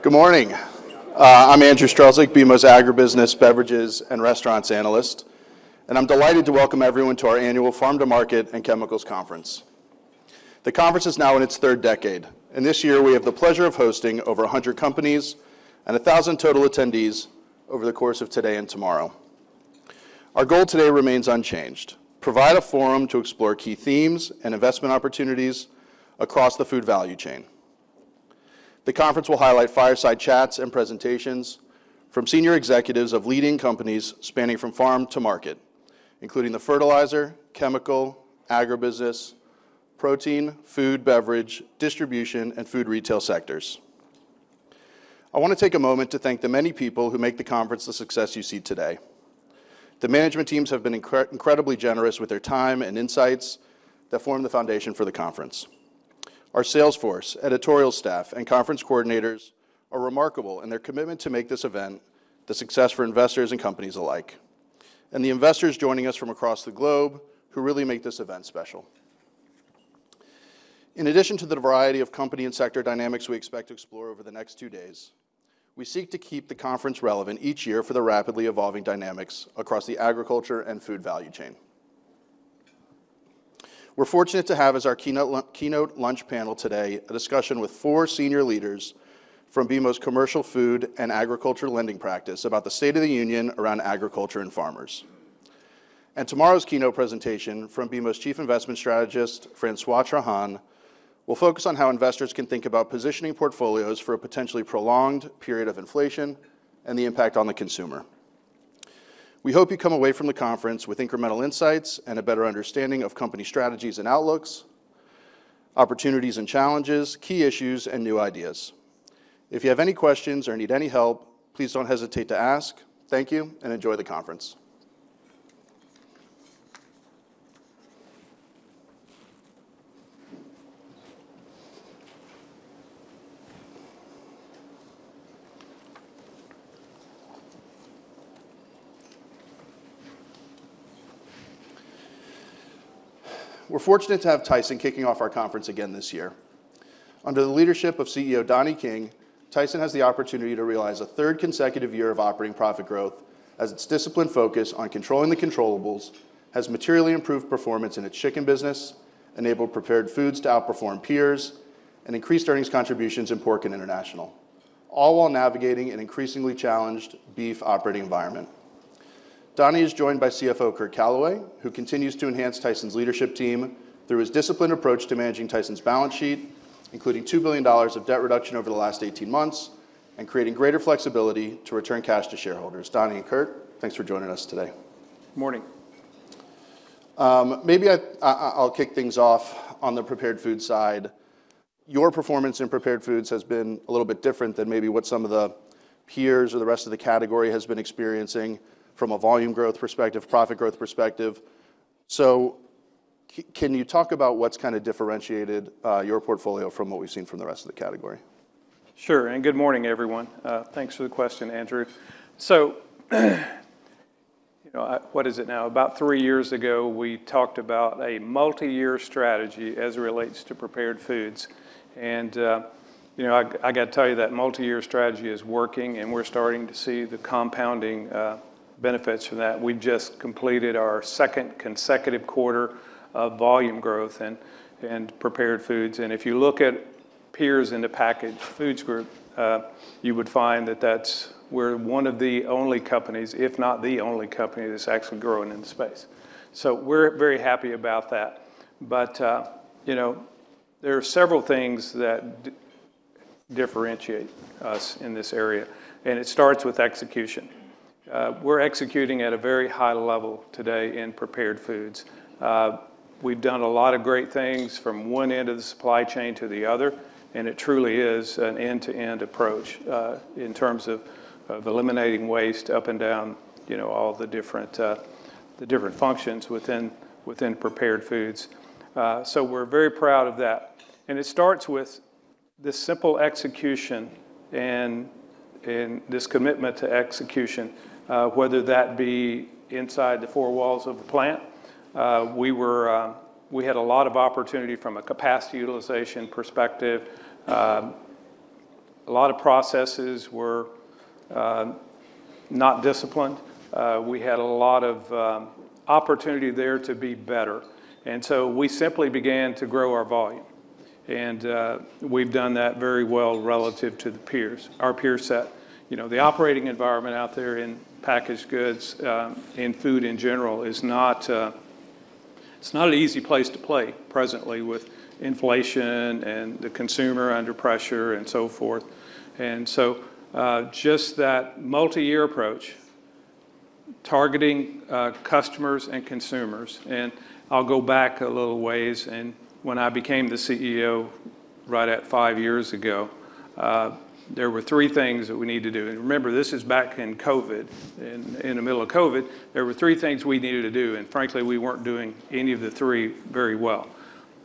Good morning. I'm Andrew Strelzik, BMO's Agribusiness, Beverages and Restaurants analyst, and I'm delighted to welcome everyone to our annual Farm to Market and Chemicals Conference. The conference is now in its third decade, and this year we have the pleasure of hosting over 100 companies and 1,000 total attendees over the course of today and tomorrow. Our goal today remains unchanged: provide a forum to explore key themes and investment opportunities across the food value chain. The conference will highlight fireside chats and presentations from senior executives of leading companies spanning from farm to market, including the fertilizer, chemical, agribusiness, protein, food, beverage, distribution, and food retail sectors. I want to take a moment to thank the many people who make the conference the success you see today. The management teams have been incredibly generous with their time and insights that form the foundation for the conference. Our sales force, editorial staff, and conference coordinators are remarkable in their commitment to make this event the success for investors and companies alike, and the investors joining us from across the globe who really make this event special. In addition to the variety of company and sector dynamics we expect to explore over the next two days, we seek to keep the conference relevant each year for the rapidly evolving dynamics across the agriculture and food value chain. We're fortunate to have as our keynote lunch panel today a discussion with four senior leaders from BMO's Commercial Food and Agricultural Lending practice about the state of the union around agriculture and farmers. Tomorrow's keynote presentation from BMO's Chief Investment Strategist, François Trahan, will focus on how investors can think about positioning portfolios for a potentially prolonged period of inflation and the impact on the consumer. We hope you come away from the conference with incremental insights and a better understanding of company strategies and outlooks, opportunities and challenges, key issues, and new ideas. If you have any questions or need any help, please don't hesitate to ask. Thank you, and enjoy the conference. We're fortunate to have Tyson kicking off our conference again this year. Under the leadership of CEO Donnie King, Tyson has the opportunity to realize a third consecutive year of operating profit growth as its disciplined focus on controlling the controllables has materially improved performance in its chicken business, enabled prepared foods to outperform peers, and increased earnings contributions in pork and international, all while navigating an increasingly challenged beef operating environment. Donnie is joined by CFO Curt Calaway, who continues to enhance Tyson's leadership team through his disciplined approach to managing Tyson's balance sheet, including $2 billion of debt reduction over the last 18 months and creating greater flexibility to return cash to shareholders. Donnie and Curt, thanks for joining us today. Morning. Maybe I'll kick things off on the prepared food side. Your performance in prepared foods has been a little bit different than maybe what some of the peers or the rest of the category has been experiencing from a volume growth perspective, profit growth perspective. Can you talk about what's kind of differentiated your portfolio from what we've seen from the rest of the category? Sure, and good morning, everyone. Thanks for the question, Andrew. You know, what is it now? About three years ago, we talked about a multi-year strategy as it relates to prepared foods. You know, I gotta tell you that multi-year strategy is working, and we're starting to see the compounding benefits from that. We just completed our second consecutive quarter of volume growth in prepared foods. If you look at peers in the packaged foods group, you would find that we're one of the only companies, if not the only company, that's actually growing in the space. We're very happy about that. You know, there are several things that differentiate us in this area, and it starts with execution. We're executing at a very high level today in prepared foods. We've done a lot of great things from one end of the supply chain to the other, and it truly is an end-to-end approach in terms of eliminating waste up and down, you know, all the different functions within prepared foods. We're very proud of that. It starts with the simple execution and this commitment to execution, whether that be inside the four walls of the plant. We had a lot of opportunity from a capacity utilization perspective. A lot of processes were not disciplined. We had a lot of opportunity there to be better. We simply began to grow our volume. We've done that very well relative to the peers, our peer set. You know, the operating environment out there in packaged goods, in food in general is not, it's not an easy place to play presently with inflation and the consumer under pressure and so forth. Just that multi-year approach, targeting customers and consumers, I'll go back a little ways. When I became the CEO right at five years ago, there were three things that we need to do. Remember, this is back in COVID, in the middle of COVID. There were three things we needed to do, and frankly, we weren't doing any of the three very well.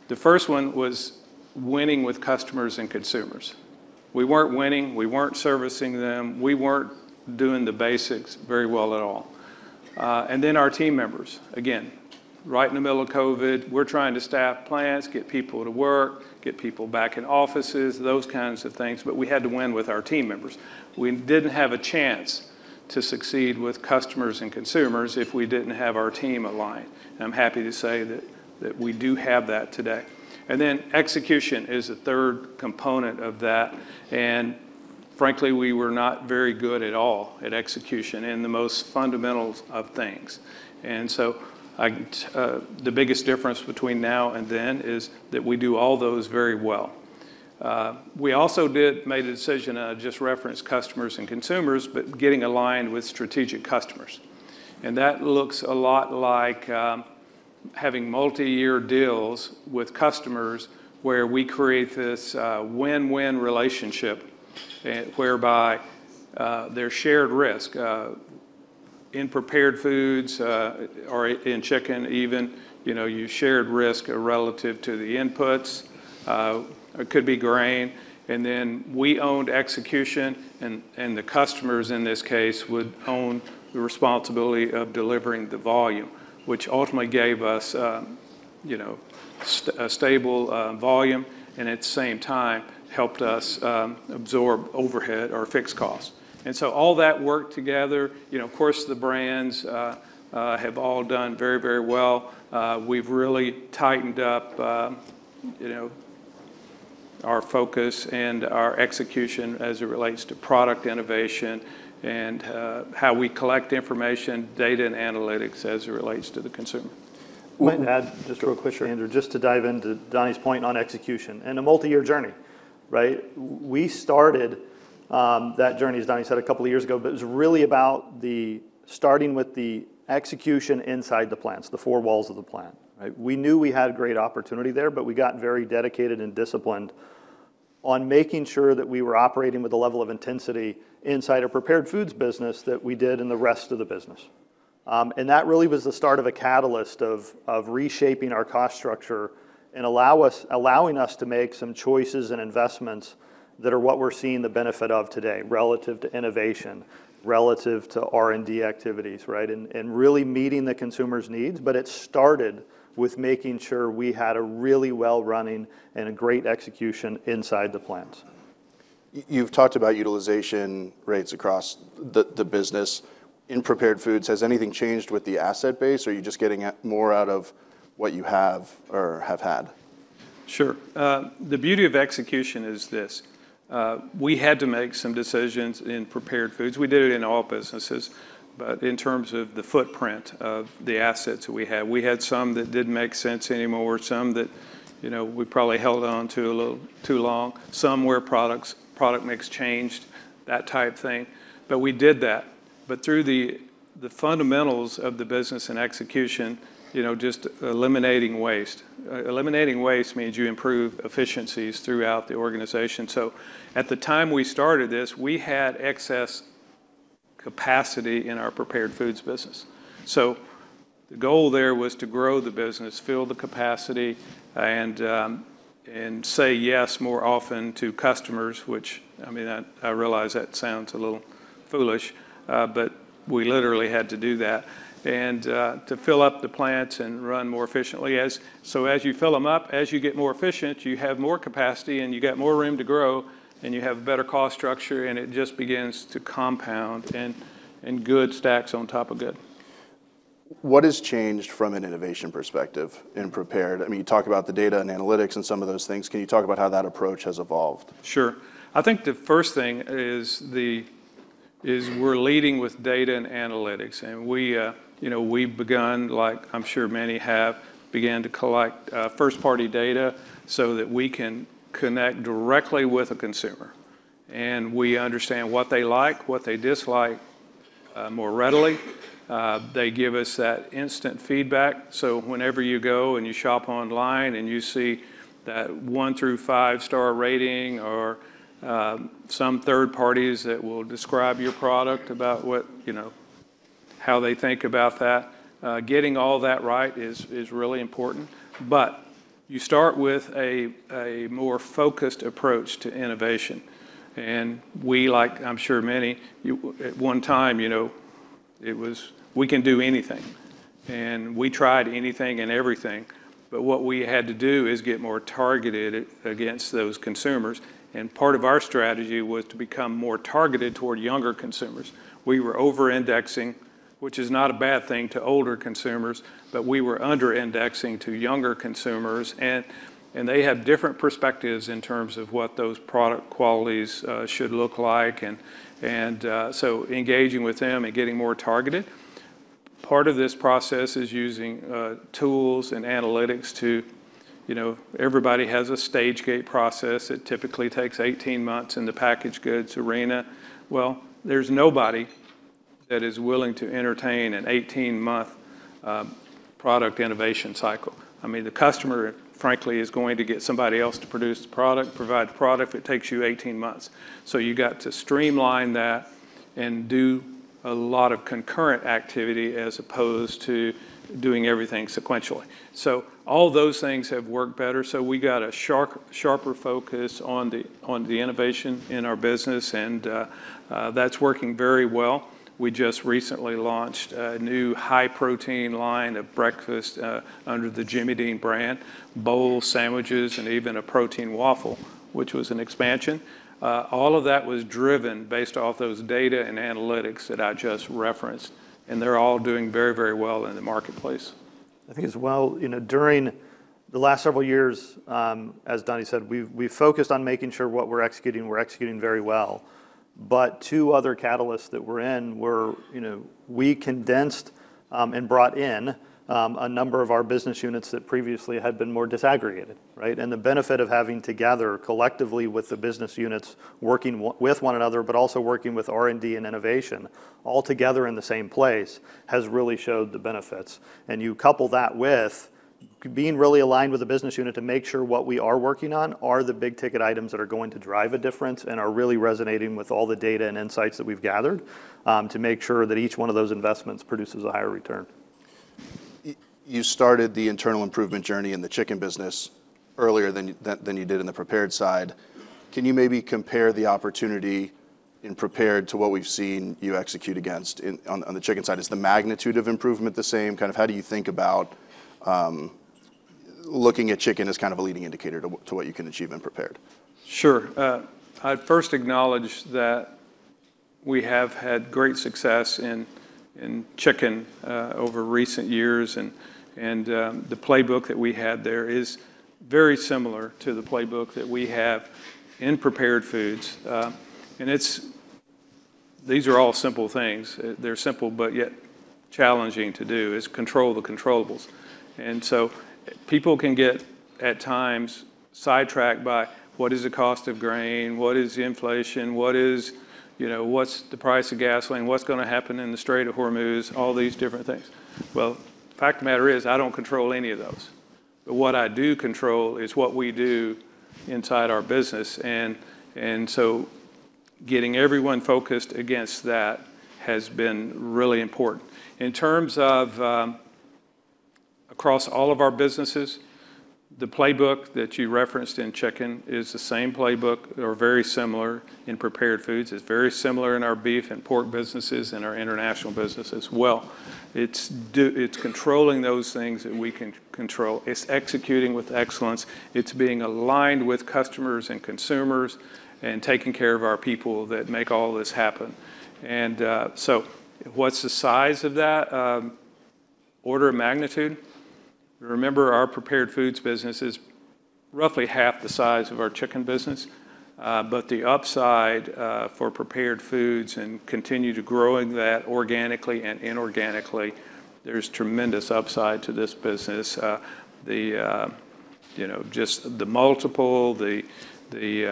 The first one was winning with customers and consumers. We weren't winning. We weren't servicing them. We weren't doing the basics very well at all. Then our team members, again, right in the middle of COVID, we're trying to staff plants, get people to work, get people back in offices, those kinds of things. We had to win with our team members. We didn't have a chance to succeed with customers and consumers if we didn't have our team aligned. I'm happy to say that we do have that today. Then execution is the third component of that. Frankly, we were not very good at all at execution in the most fundamentals of things. So the biggest difference between now and then is that we do all those very well. We also made a decision, and I just referenced customers and consumers, but getting aligned with strategic customers. That looks a lot like having multi-year deals with customers where we create this win-win relationship whereby there's shared risk. In prepared foods, or in chicken even, you know, you shared risk relative to the inputs. It could be grain. We owned execution and the customers in this case would own the responsibility of delivering the volume, which ultimately gave us, you know, a stable volume, and at the same time helped us absorb overhead or fixed costs. All that worked together. You know, of course, the brands have all done very, very well. We've really tightened up, you know, our focus and our execution as it relates to product innovation and how we collect information, data, and analytics as it relates to the consumer. I might add just real quick, Andrew, just to dive into Donnie's point on execution and a multi-year journey, right? We started that journey, as Donnie said, a couple of years ago, but it was really about the starting with the execution inside the plants, the four walls of the plant, right? We knew we had great opportunity there, but we got very dedicated and disciplined on making sure that we were operating with the level of intensity inside a prepared foods business that we did in the rest of the business. That really was the start of a catalyst of reshaping our cost structure and allowing us to make some choices and investments that are what we're seeing the benefit of today relative to innovation, relative to R&D activities, right, and really meeting the consumer's needs. It started with making sure we had a really well-running and a great execution inside the plants. You've talked about utilization rates across the business. In prepared foods, has anything changed with the asset base, or are you just getting more out of what you have or have had? Sure. The beauty of execution is this: we had to make some decisions in prepared foods. We did it in all businesses. In terms of the footprint of the assets we had, we had some that didn't make sense anymore, some that, you know, we probably held on to a little too long, some where products, product mix changed, that type of thing, but we did that. Through the fundamentals of the business and execution, you know, just eliminating waste. Eliminating waste means you improve efficiencies throughout the organization. At the time we started this, we had excess capacity in our prepared foods business. The goal there was to grow the business, fill the capacity, and say yes more often to customers, which, I mean, I realize that sounds a little foolish, but we literally had to do that to fill up the plants and run more efficiently as you fill them up, as you get more efficient, you have more capacity and you got more room to grow, and you have a better cost structure and it just begins to compound, and good stacks on top of good. What has changed from an innovation perspective in prepared? I mean, you talk about the data and analytics and some of those things. Can you talk about how that approach has evolved? I think the first thing is we're leading with data and analytics. We, you know, we've begun, like I'm sure many have, began to collect first-party data so that we can connect directly with a consumer. We understand what they like, what they dislike more readily. They give us that instant feedback. Whenever you go and you shop online and you see that one through five star rating or some third parties that will describe your product about what, you know, how they think about that, getting all that right is really important. You start with a more focused approach to innovation. We, like I'm sure many, at one time, you know, it was we can do anything, and we tried anything and everything. What we had to do is get more targeted against those consumers, and part of our strategy was to become more targeted toward younger consumers. We were over-indexing, which is not a bad thing, to older consumers, but we were under-indexing to younger consumers and they have different perspectives in terms of what those product qualities should look like and engaging with them and getting more targeted. Part of this process is using tools and analytics to You know, everybody has a Stage-Gate process. It typically takes 18 months in the packaged goods arena. There's nobody that is willing to entertain an 18-month product innovation cycle. I mean, the customer, frankly, is going to get somebody else to produce the product, provide the product if it takes you 18 months. You got to streamline that and do a lot of concurrent activity as opposed to doing everything sequentially. All those things have worked better. We got a sharper focus on the innovation in our business, and that's working very well. We just recently launched a new high protein line of breakfast under the Jimmy Dean brand. Bowls, sandwiches, and even a protein waffle, which was an expansion. All of that was driven based off those data and analytics that I just referenced, and they're all doing very, very well in the marketplace. I think as well, you know, during the last several years, as Donnie said, we've focused on making sure what we're executing, we're executing very well. Two other catalysts that we're in were, you know, we condensed and brought in a number of our business units that previously had been more disaggregated, right? The benefit of having together collectively with the business units, working with one another, but also working with R&D and innovation all together in the same place, has really showed the benefits. You couple that with being really aligned with the business unit to make sure what we are working on are the big-ticket items that are going to drive a difference and are really resonating with all the data and insights that we've gathered, to make sure that each one of those investments produces a higher return. You started the internal improvement journey in the chicken business earlier than you did in the prepared side. Can you maybe compare the opportunity in prepared to what we've seen you execute against on the chicken side? Is the magnitude of improvement the same? Kind of how do you think about looking at chicken as kind of a leading indicator to what you can achieve in prepared? Sure. I'd first acknowledge that we have had great success in chicken over recent years and the playbook that we had there is very similar to the playbook that we have in prepared foods. These are all simple things. They're simple, but yet challenging to do, is control the controllables. People can get at times sidetracked by what is the cost of grain, what is the inflation, what is, you know, what's the price of gasoline, what's gonna happen in the Strait of Hormuz, all these different things. Well, fact of the matter is, I don't control any of those. What I do control is what we do inside our business. Getting everyone focused against that has been really important. In terms of across all of our businesses, the playbook that you referenced in chicken is the same playbook, or very similar, in prepared foods. It's very similar in our beef and pork businesses, in our international business as well. It's controlling those things that we can control. It's executing with excellence. It's being aligned with customers and consumers and taking care of our people that make all this happen. What's the size of that? Order of magnitude. Remember, our prepared foods business is roughly half the size of our chicken business. The upside for prepared foods and continue to growing that organically and inorganically, there's tremendous upside to this business. You know, just the multiple, you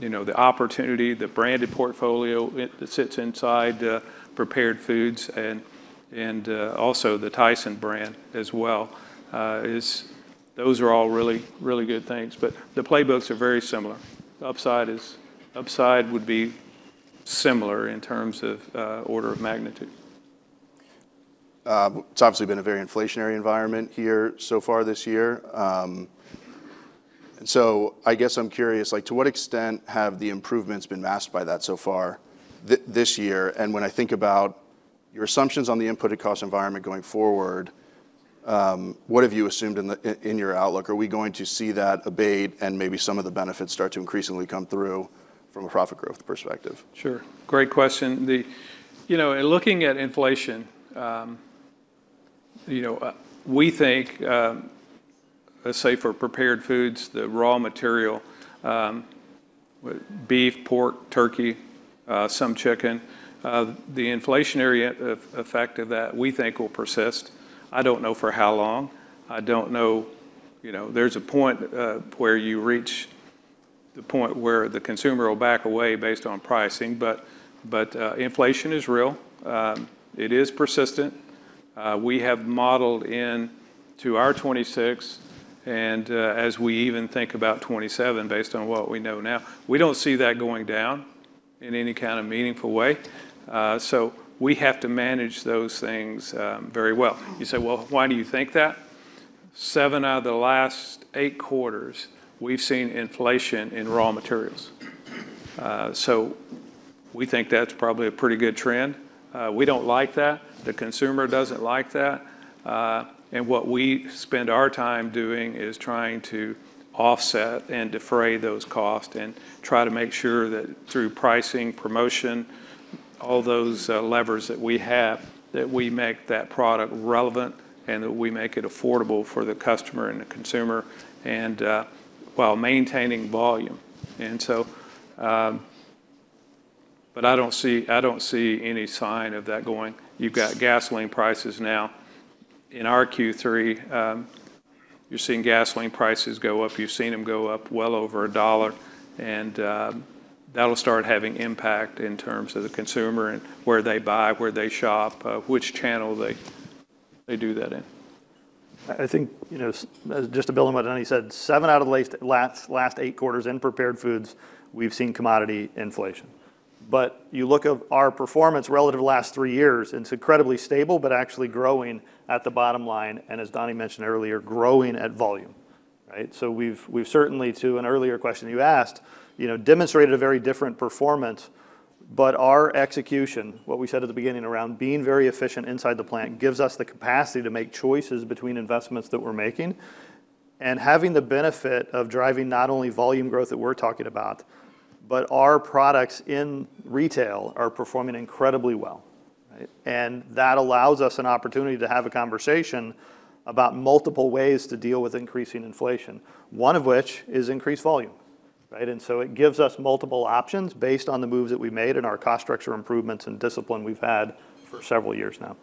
know, the opportunity, the branded portfolio that sits inside prepared foods and also the Tyson brand as well, those are all really, really good things. The playbooks are very similar. The upside would be similar in terms of order of magnitude. It's obviously been a very inflationary environment here so far this year. So I guess I'm curious, like, to what extent have the improvements been masked by that so far this year? When I think about your assumptions on the inputted cost environment going forward, what have you assumed in your outlook? Are we going to see that abate and maybe some of the benefits start to increasingly come through from a profit growth perspective? Sure. Great question. The, you know, in looking at inflation, you know, we think, let's say for prepared foods, the raw material, beef, pork, turkey, some chicken, the inflationary effect of that, we think will persist. I don't know for how long. I don't know, you know, there's a point where you reach the point where the consumer will back away based on pricing. Inflation is real. It is persistent. We have modeled in to our 2026, and as we even think about 2027, based on what we know now, we don't see that going down in any kind of meaningful way. We have to manage those things very well. You say, "Well, why do you think that?" seven out of the last eight quarters, we've seen inflation in raw materials. We think that's probably a pretty good trend. We don't like that. The consumer doesn't like that. What we spend our time doing is trying to offset and defray those costs and try to make sure that through pricing, promotion, all those levers that we have, that we make that product relevant and that we make it affordable for the customer and the consumer, while maintaining volume. I don't see any sign of that going. You've got gasoline prices now. In our Q3, you're seeing gasoline prices go up. You've seen them go up well over $1, that'll start having impact in terms of the consumer and where they buy, where they shop, which channel they do that in. I think, you know, just to build on what Donnie said, seven out of the last eight quarters in prepared foods, we've seen commodity inflation. You look at our performance relative to the last three years, it's incredibly stable, but actually growing at the bottom line and, as Donnie mentioned earlier, growing at volume. Right? We've certainly, to an earlier question you asked, you know, demonstrated a very different performance. Our execution, what we said at the beginning around being very efficient inside the plant, gives us the capacity to make choices between investments that we're making, and having the benefit of driving not only volume growth that we're talking about, but our products in retail are performing incredibly well. Right? That allows us an opportunity to have a conversation about multiple ways to deal with increasing inflation, one of which is increased volume, right? It gives us multiple options based on the moves that we made and our cost structure improvements and discipline we've had for several years now.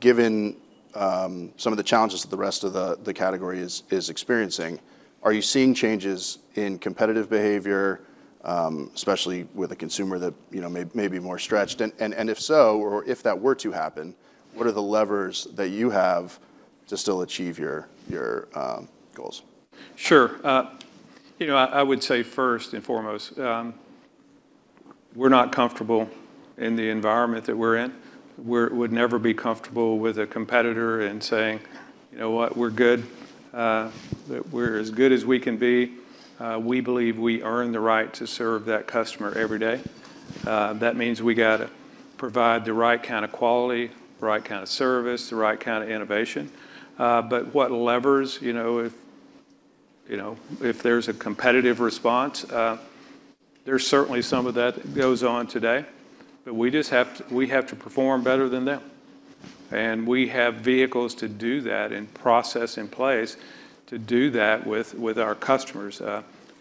Given some of the challenges that the rest of the category is experiencing, are you seeing changes in competitive behavior, especially with a consumer that, you know, may be more stretched? If so, or if that were to happen, what are the levers that you have to still achieve your goals? Sure. You know, I would say first and foremost, we're not comfortable in the environment that we're in. We would never be comfortable with a competitor and saying, "You know what? We're good. That we're as good as we can be." We believe we earn the right to serve that customer every day. That means we gotta provide the right kind of quality, the right kind of service, the right kind of innovation. What levers, you know, if, you know, if there's a competitive response, there's certainly some of that goes on today, but we just have to perform better than them. We have vehicles to do that and process in place to do that with our customers.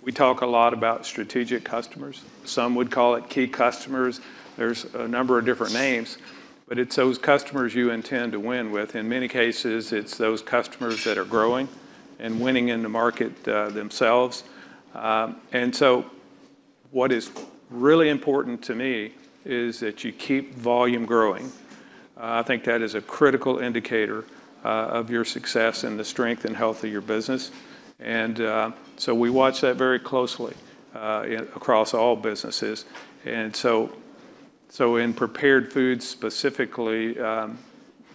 We talk a lot about strategic customers. Some would call it key customers. There's a number of different names, but it's those customers you intend to win with. In many cases, it's those customers that are growing and winning in the market themselves. What is really important to me is that you keep volume growing. I think that is a critical indicator of your success and the strength and health of your business. We watch that very closely across all businesses. In prepared foods specifically,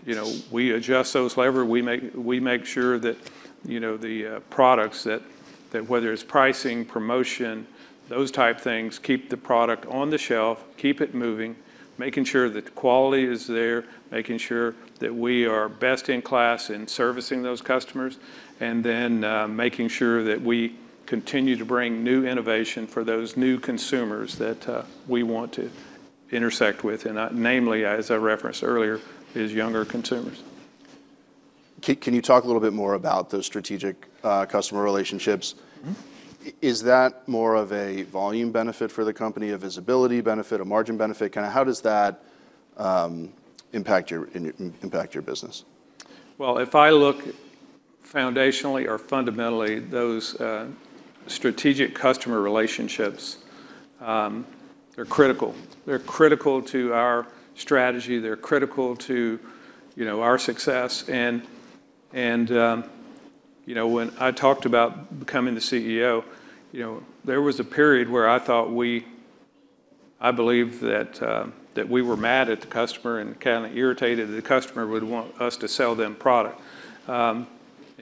you know, we adjust those levers. We make sure that, you know, the products that whether it's pricing, promotion, those type things, keep the product on the shelf, keep it moving, making sure that the quality is there, making sure that we are best in class in servicing those customers, and then making sure that we continue to bring new innovation for those new consumers that we want to intersect with. Namely, as I referenced earlier, is younger consumers. Can you talk a little bit more about those strategic customer relationships? Is that more of a volume benefit for the company, a visibility benefit, a margin benefit? Kind of how does that impact your business? If I look foundationally or fundamentally, those strategic customer relationships, they're critical. They're critical to our strategy. They're critical to, you know, our success and, you know, when I talked about becoming the CEO, you know, there was a period where I thought I believed that we were mad at the customer and kind of irritated that the customer would want us to sell them product.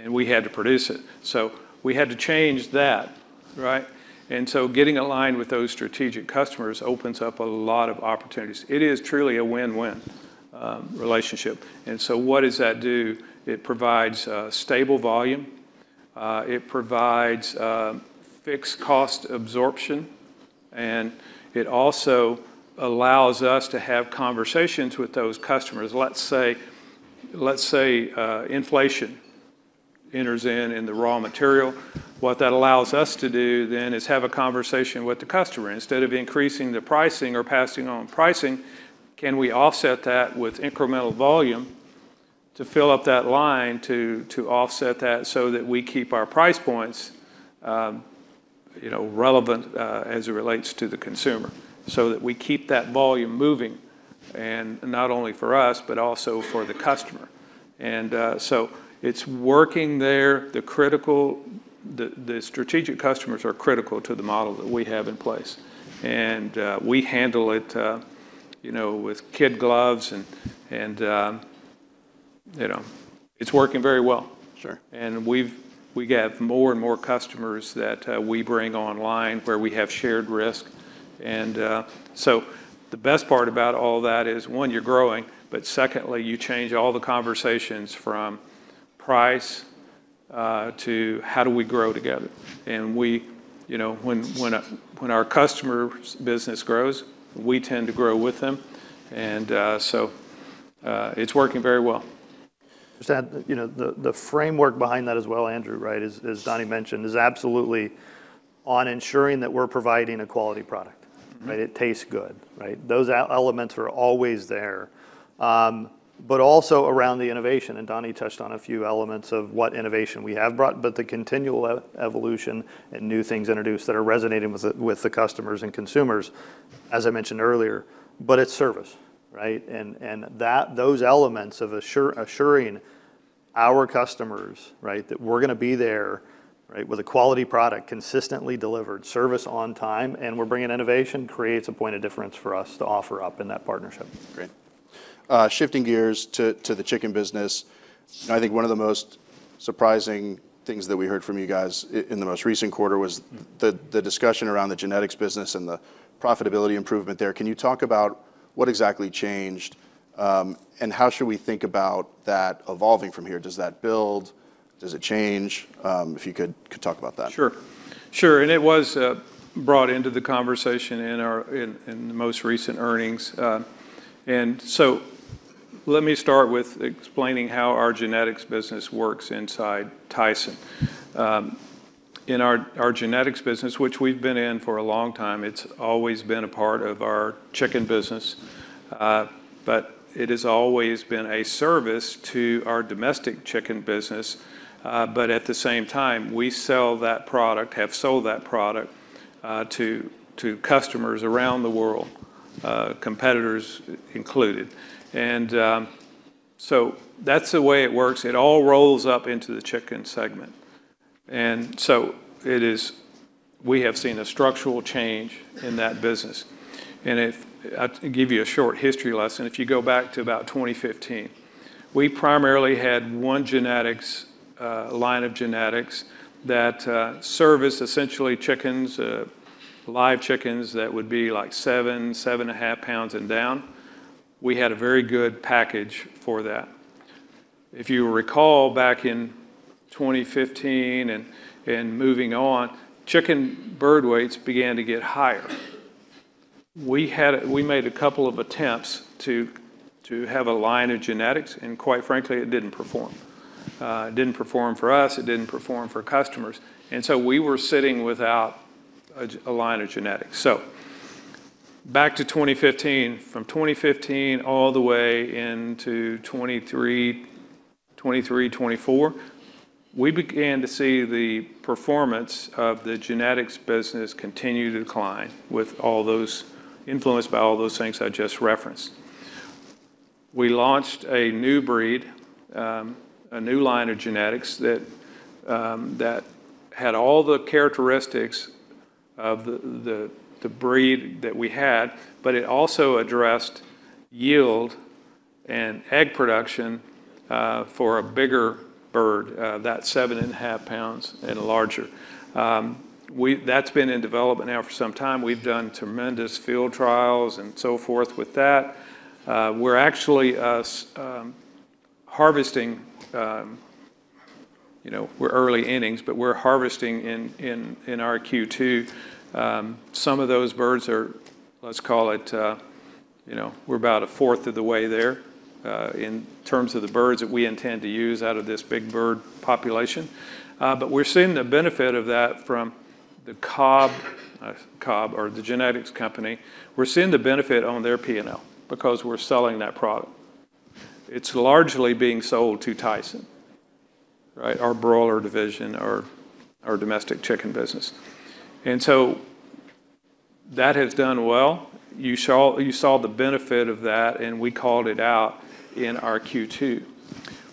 We had to produce it. We had to change that, right? Getting aligned with those strategic customers opens up a lot of opportunities. It is truly a win-win relationship. What does that do? It provides stable volume. It provides fixed cost absorption, and it also allows us to have conversations with those customers. Let's say inflation enters in in the raw material. What that allows us to do is have a conversation with the customer. Instead of increasing the pricing or passing on pricing, can we offset that with incremental volume to fill up that line to offset that so that we keep our price points, you know, relevant as it relates to the consumer, so that we keep that volume moving, and not only for us, but also for the customer. It's working there. The strategic customers are critical to the model that we have in place. We handle it, you know, with kid gloves and, you know, it's working very well. Sure. We got more and more customers that we bring online where we have shared risk. The best part about all that is, one, you're growing, but secondly, you change all the conversations from price to how do we grow together? We, you know, when our customer's business grows, we tend to grow with them. It's working very well. Just add, you know, the framework behind that as well, Andrew, right, as Donnie mentioned, is absolutely on ensuring that we're providing a quality product. Right? It tastes good, right? Those elements are always there. Also around the innovation, and Donnie touched on a few elements of what innovation we have brought, but the continual evolution and new things introduced that are resonating with the customers and consumers, as I mentioned earlier, but it's service, right? Those elements of assuring our customers that we're gonna be there with a quality product consistently delivered, service on time, and we're bringing innovation, creates a point of difference for us to offer up in that partnership. Great. Shifting gears to the chicken business. I think one of the most surprising things that we heard from you guys in the most recent quarter was the discussion around the genetics business and the profitability improvement there. Can you talk about what exactly changed, and how should we think about that evolving from here? Does that build? Does it change? If you could talk about that? Sure. Sure, it was brought into the conversation in the most recent earnings. Let me start with explaining how our genetics business works inside Tyson. In our genetics business, which we've been in for a long time, it's always been a part of our chicken business, it has always been a service to our domestic chicken business. At the same time, we have sold that product to customers around the world, competitors included. That's the way it works. It all rolls up into the chicken segment. We have seen a structural change in that business. I'll give you a short history lesson. If you go back to about 2015, we primarily had one genetics line of genetics that serviced essentially chickens, live chickens that would be like 7.5 pounds and down. We had a very good package for that. If you recall back in 2015 and moving on, chicken bird weights began to get higher. We made a couple of attempts to have a line of genetics and quite frankly, it didn't perform. It didn't perform for us. It didn't perform for customers. We were sitting without a line of genetics. Back to 2015. From 2015 all the way into 2023, 2024, we began to see the performance of the genetics business continue to decline influenced by all those things I just referenced. We launched a new breed, a new line of genetics that had all the characteristics of the breed that we had, but it also addressed yield and egg production for a bigger bird that seven and a half pounds and larger. That's been in development now for some time. We've done tremendous field trials and so forth with that. We're actually harvesting, you know, we're early innings, but we're harvesting in our Q2. Some of those birds are, let's call it, you know, we're about a fourth of the way there in terms of the birds that we intend to use out of this big bird population. We're seeing the benefit of that from the Cobb or the genetics company. We're seeing the benefit on their P&L because we're selling that product. It's largely being sold to Tyson, right? Our broiler division, our domestic chicken business. That has done well. You saw the benefit of that, and we called it out in our Q2.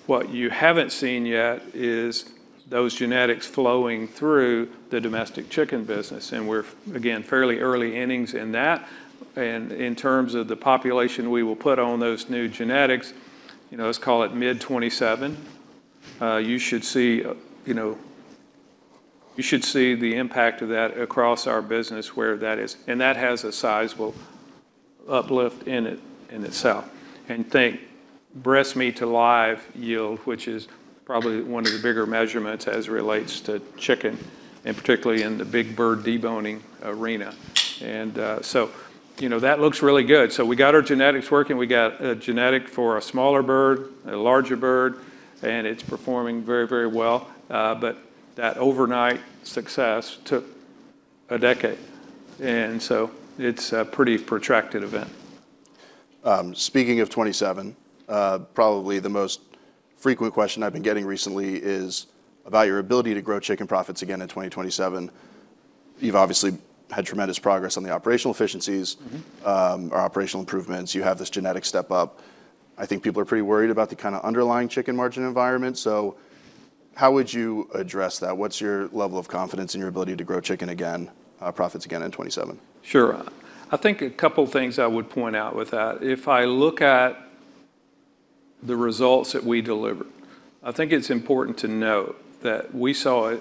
What you haven't seen yet is those genetics flowing through the domestic chicken business, and we're again, fairly early innings in that. In terms of the population we will put on those new genetics, you know, let's call it mid 2027, you should see, you know, you should see the impact of that across our business where that is. That has a sizable uplift in it, in itself. Think breast meat to live yield, which is probably one of the bigger measurements as it relates to chicken, and particularly in the big bird deboning arena. You know, that looks really good. We got our genetics working. We got a genetic for a smaller bird, a larger bird, and it's performing very, very well. That overnight success took a decade. It's a pretty protracted event. speaking of 2027, probably the most frequent question I've been getting recently is about your ability to grow chicken profits again in 2027. You've obviously had tremendous progress on the operational efficiencies. Or operational improvements. You have this genetic step up. I think people are pretty worried about the kind of underlying chicken margin environment. How would you address that? What's your level of confidence in your ability to grow chicken again, profits again in 2027? Sure. I think a couple things I would point out with that. If I look at the results that we delivered, I think it's important to note that we saw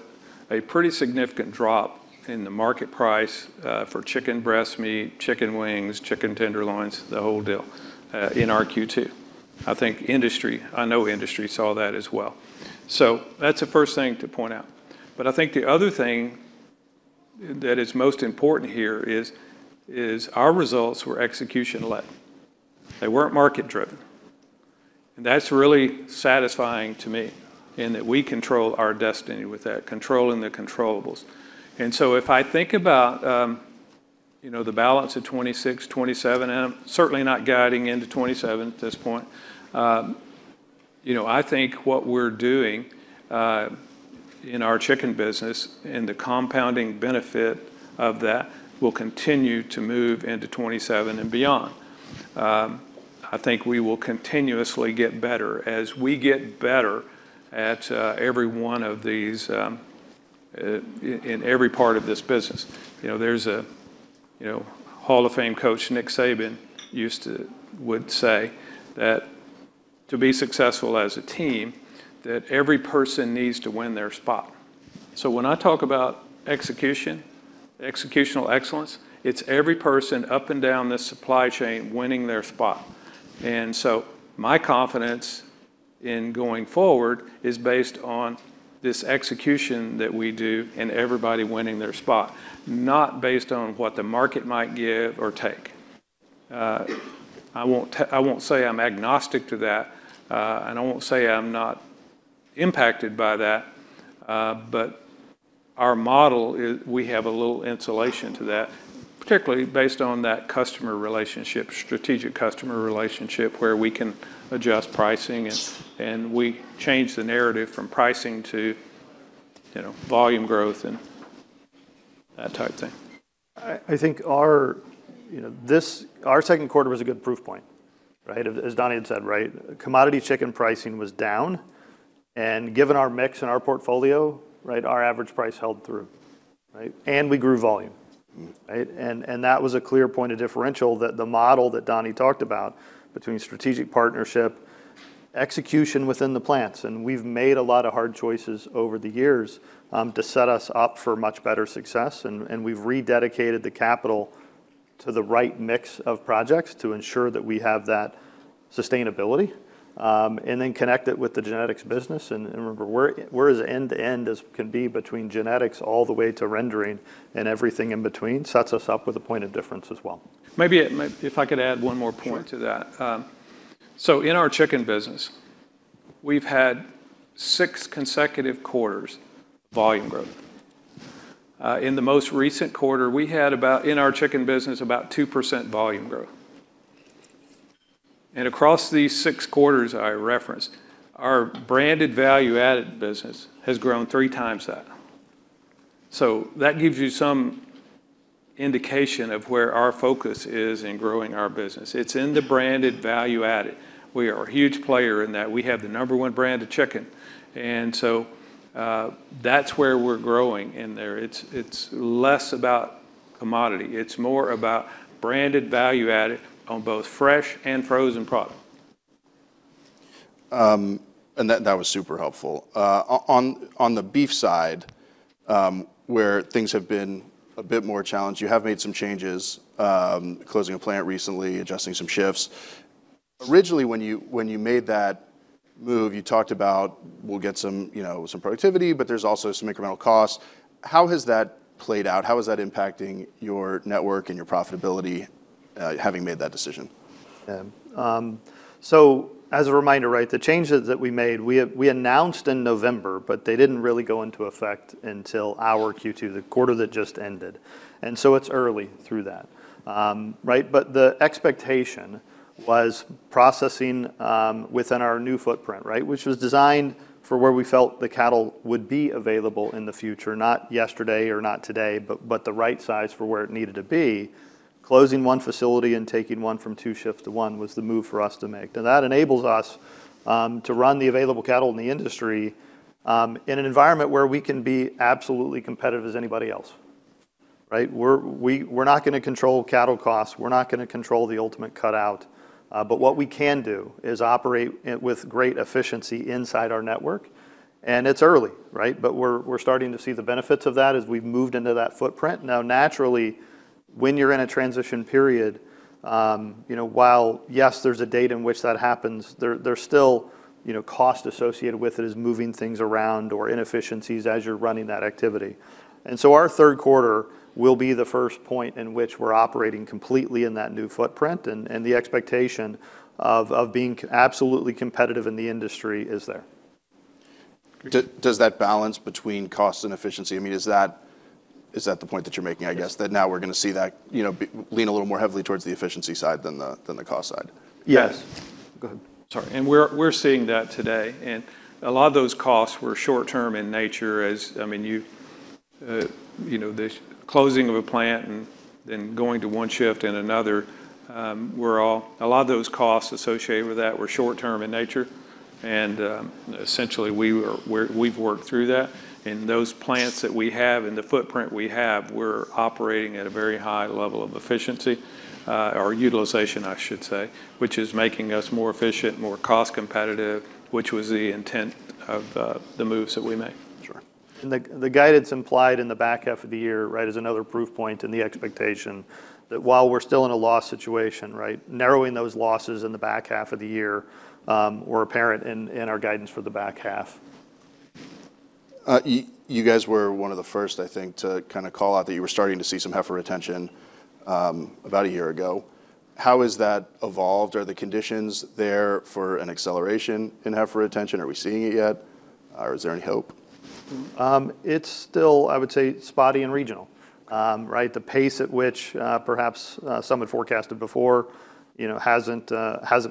a pretty significant drop in the market price for chicken breast meat, chicken wings, chicken tenderloins, the whole deal, in our Q2. I know industry saw that as well. That's the first thing to point out. I think the other thing that is most important here is our results were execution led. They weren't market driven. That's really satisfying to me in that we control our destiny with that, controlling the controllables. If I think about, you know, the balance of 2026, 2027, and I'm certainly not guiding into 2027 at this point, you know, I think what we're doing in our chicken business and the compounding benefit of that will continue to move into 2027 and beyond. I think we will continuously get better as we get better at every one of these, in every part of this business. You know, there's a, you know, Hall of Fame coach, Nick Saban, would say that to be successful as a team, that every person needs to win their spot. When I talk about execution, executional excellence, it's every person up and down the supply chain winning their spot. My confidence in going forward is based on this execution that we do and everybody winning their spot, not based on what the market might give or take. I won't say I'm agnostic to that, and I won't say I'm not impacted by that, but our model, we have a little insulation to that, particularly based on that customer relationship, strategic customer relationship, where we can adjust pricing and we change the narrative from pricing to, you know, volume growth and that type thing. I think our second quarter was a good proof point, right? As Donnie had said, right, commodity chicken pricing was down, given our mix and our portfolio, right, our average price held through, right? We grew volume, right? That was a clear point of differential that the model that Donnie talked about between strategic partnership, execution within the plants, we've made a lot of hard choices over the years to set us up for much better success. We've rededicated the capital to the right mix of projects to ensure that we have that sustainability, then connect it with the genetics business. Remember, we're as end-to-end as can be between genetics all the way to rendering, everything in between sets us up with a point of difference as well. Maybe, if I could add one more point to that. Sure. In our chicken business, we've had six consecutive quarters volume growth. In the most recent quarter, we had in our chicken business, about 2% volume growth. Across these six quarters I referenced, our branded value-added business has grown 3x that. That gives you some indication of where our focus is in growing our business. It's in the branded value-added. We are a huge player in that. We have the number one brand of chicken. That's where we're growing in there. It's less about commodity. It's more about branded value-added on both fresh and frozen product. That, that was super helpful. On the beef side, where things have been a bit more challenged, you have made some changes, closing a plant recently, adjusting some shifts. Originally, when you, when you made that move, you talked about we'll get some, you know, some productivity, but there's also some incremental costs. How has that played out? How is that impacting your network and your profitability, having made that decision? As a reminder, the changes that we made, we announced in November, but they didn't really go into effect until our Q2, the quarter that just ended, it's early through that. The expectation was processing within our new footprint, which was designed for where we felt the cattle would be available in the future, not yesterday or not today, but the right size for where it needed to be. Closing one facility and taking one from two shifts to one was the move for us to make. That enables us to run the available cattle in the industry in an environment where we can be absolutely competitive as anybody else. We're not gonna control cattle costs. We're not gonna control the ultimate cutout. What we can do is operate it with great efficiency inside our network, and it's early, right? We're starting to see the benefits of that as we've moved into that footprint. Now, naturally, when you're in a transition period, you know, while, yes, there's a date in which that happens, there's still, you know, cost associated with it as moving things around or inefficiencies as you're running that activity. Our third quarter will be the first point in which we're operating completely in that new footprint, and the expectation of being absolutely competitive in the industry is there. Does that balance between cost and efficiency? I mean, is that the point that you're making, I guess, that now we're gonna see that, you know, lean a little more heavily towards the efficiency side than the cost side? Yes. Go ahead. Sorry. We're seeing that today. A lot of those costs were short-term in nature as, I mean, you know, the closing of a plant and then going to one shift and another, a lot of those costs associated with that were short-term in nature. Essentially, we've worked through that. Those plants that we have and the footprint we have, we're operating at a very high level of efficiency, or utilization, I should say, which is making us more efficient, more cost competitive, which was the intent of the moves that we made. Sure. The guidance implied in the back half of the year, right, is another proof point in the expectation that while we're still in a loss situation, right, narrowing those losses in the back half of the year, were apparent in our guidance for the back half. You guys were one of the first, I think, to kinda call out that you were starting to see some heifer retention about a year ago. How has that evolved? Are the conditions there for an acceleration in heifer retention? Are we seeing it yet? Or is there any hope? It's still, I would say, spotty and regional. Right? The pace at which, perhaps, some had forecasted before, you know, hasn't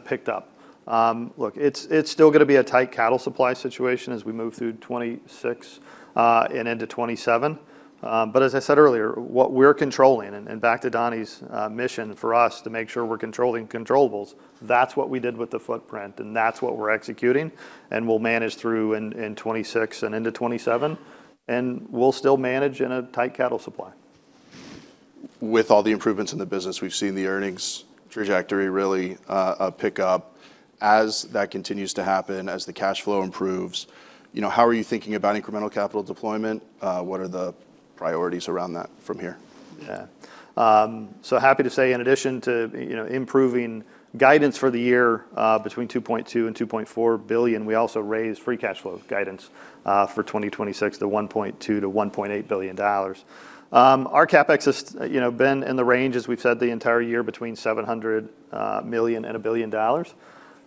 picked up. Look, it's still gonna be a tight cattle supply situation as we move through 2026 and into 2027. As I said earlier, what we're controlling, and back to Donnie's mission for us to make sure we're controlling controllables, that's what we did with the footprint, and that's what we're executing, and we'll manage through in 2026 and into 2027, and we'll still manage in a tight cattle supply. With all the improvements in the business, we've seen the earnings trajectory really pick up. As that continues to happen, as the cash flow improves, you know, how are you thinking about incremental capital deployment? What are the priorities around that from here? Happy to say in addition to improving guidance for the year, between $2.2 billion and $2.4 billion, we also raised free cash flow guidance for 2026 to $1.2 billion-$1.8 billion. Our CapEx has been in the range, as we've said, the entire year between $700 million and $1 billion.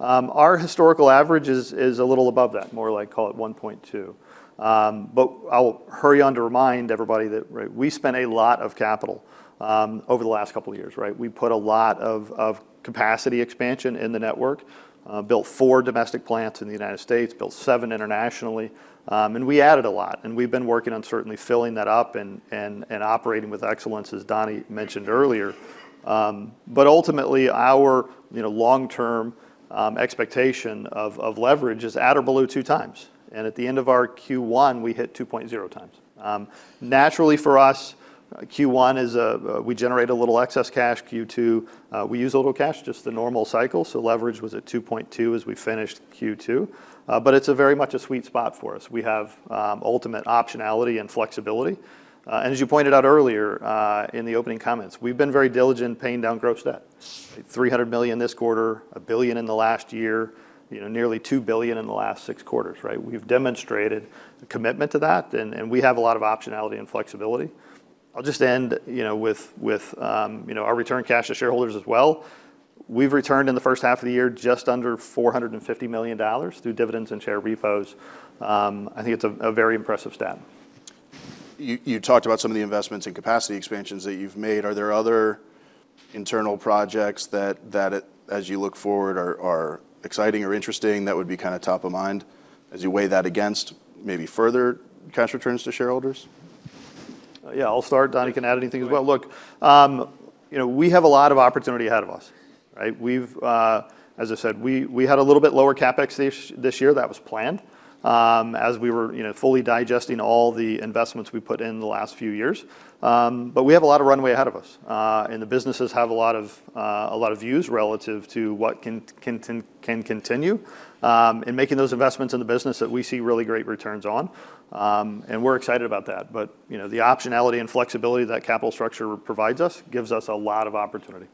Our historical average is a little above that, more like $1.2 billion. I'll hurry on to remind everybody that we spent a lot of capital over the last couple of years. We put a lot of capacity expansion in the network, built four domestic plants in the United States, built seven internationally, we added a lot. We've been working on certainly filling that up and operating with excellence, as Donnie mentioned earlier. Ultimately our, you know, long-term expectation of leverage is at or below 2x, and at the end of our Q1, we hit 2.0x. Naturally for us, Q1 is, we generate a little excess cash. Q2, we use a little cash, just the normal cycle. Leverage was at 2.2% as we finished Q2. It's a very much a sweet spot for us. We have ultimate optionality and flexibility. As you pointed out earlier, in the opening comments, we've been very diligent paying down gross debt. $300 million this quarter, $1 billion in the last year, you know, nearly $2 billion in the last 6 quarters, right. We've demonstrated a commitment to that, we have a lot of optionality and flexibility. I'll just end, you know, with, you know, our return cash to shareholders as well. We've returned in the first half of the year just under $450 million through dividends and share repos. I think it's a very impressive stat. You talked about some of the investments and capacity expansions that you've made. Are there other internal projects that as you look forward are exciting or interesting that would be kinda top of mind as you weigh that against maybe further cash returns to shareholders? Yeah, I'll start. Donnie can add anything as well. Look, you know, we have a lot of opportunity ahead of us, right? We've, as I said, we had a little bit lower CapEx this year. That was planned, as we were, you know, fully digesting all the investments we put in the last few years. We have a lot of runway ahead of us. The businesses have a lot of views relative to what can continue, making those investments in the business that we see really great returns on. We're excited about that. You know, the optionality and flexibility that capital structure provides us gives us a lot of opportunity.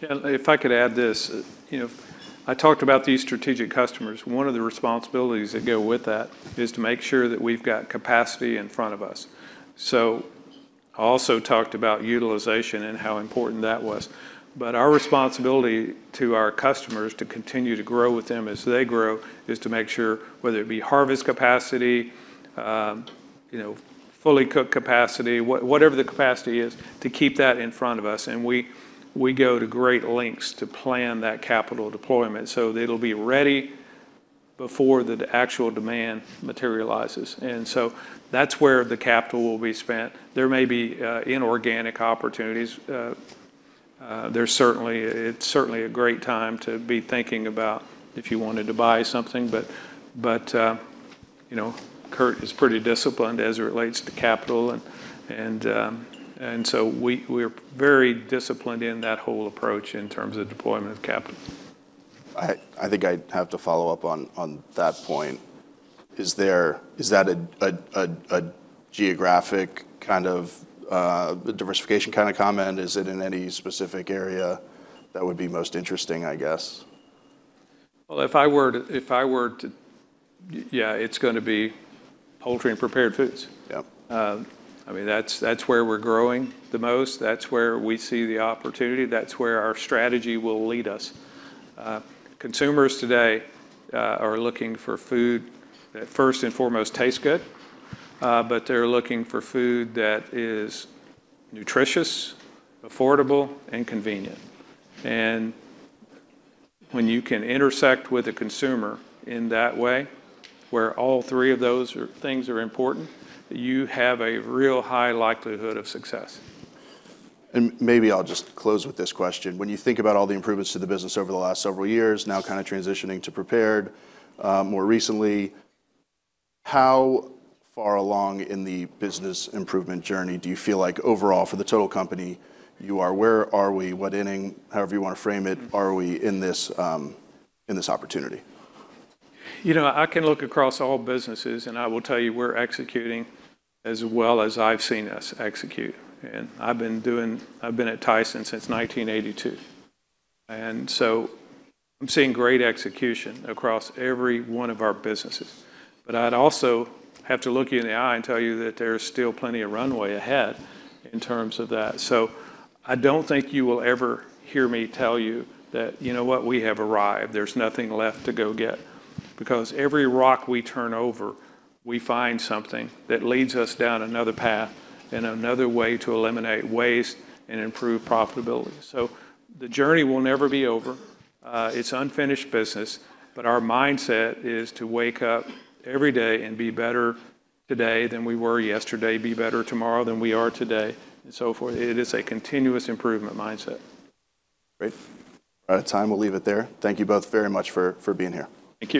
Yeah, if I could add this. You know, I talked about these strategic customers. One of the responsibilities that go with that is to make sure that we've got capacity in front of us. I also talked about utilization and how important that was. Our responsibility to our customers to continue to grow with them as they grow is to make sure whether it be harvest capacity, you know, fully cooked capacity, whatever the capacity is, to keep that in front of us, and we go to great lengths to plan that capital deployment, so it'll be ready before the actual demand materializes. That's where the capital will be spent. There may be inorganic opportunities. It's certainly a great time to be thinking about if you wanted to buy something. You know, Curt Calaway is pretty disciplined as it relates to capital. We're very disciplined in that whole approach in terms of deployment of capital. I think I have to follow up on that point. Is that a geographic kind of diversification kind of comment? Is it in any specific area that would be most interesting, I guess? Well, if I were to Yeah, it's gonna be poultry and prepared foods. Yep. I mean, that's where we're growing the most. That's where we see the opportunity. That's where our strategy will lead us. Consumers today are looking for food that first and foremost tastes good, but they're looking for food that is nutritious, affordable, and convenient. When you can intersect with a consumer in that way, where all three of those things are important, you have a real high likelihood of success. Maybe I'll just close with this question. When you think about all the improvements to the business over the last several years, now kind of transitioning to prepared, more recently, how far along in the business improvement journey do you feel like overall for the total company you are? Where are we? What inning, however you want to frame it, are we in this, in this opportunity? You know, I can look across all businesses. I will tell you we're executing as well as I've seen us execute. I've been at Tyson since 1982. I'm seeing great execution across every one of our businesses. I'd also have to look you in the eye and tell you that there's still plenty of runway ahead in terms of that. I don't think you will ever hear me tell you that, you know what. We have arrived. There's nothing left to go get. Because every rock we turn over, we find something that leads us down another path and another way to eliminate waste and improve profitability. The journey will never be over. It's unfinished business. Our mindset is to wake up every day and be better today than we were yesterday, be better tomorrow than we are today, and so forth. It is a continuous improvement mindset. Great. Out of time. We will leave it there. Thank you both very much for being here. Thank you.